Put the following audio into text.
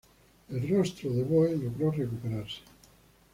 El Rostro de Boe logró recuperarse.